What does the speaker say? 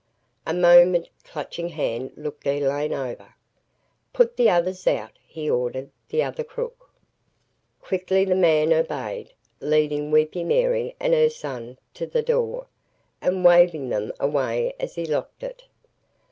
A moment Clutching Hand looked Elaine over. "Put the others out," he ordered the other crook. Quickly the man obeyed, leading "Weepy Mary" and her "son" to the door, and waving them away as he locked it.